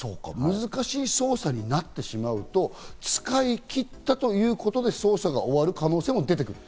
難しい捜査になってしまうと、使い切ったということで捜査が終わる可能性も出てくる？